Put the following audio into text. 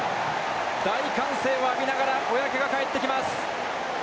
大歓声を浴びながら小宅が帰ってきます。